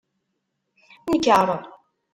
Nker!